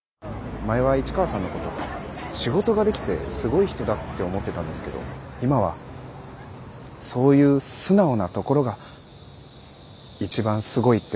前は市川さんのこと仕事ができてすごい人だって思ってたんですけど今はそういう素直なところが一番すごいって思います。